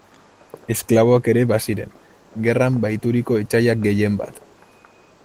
Esklaboak ere baziren, gerran bahituriko etsaiak gehienbat.